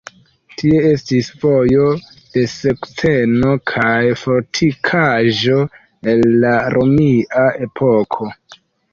Tie estis Vojo de Sukceno kaj fortikaĵo el la romia epoko.